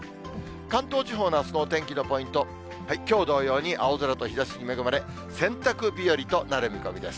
関東地方のあすのお天気のポイント、きょう同様に青空と日ざしに恵まれ、洗濯日和となる見込みです。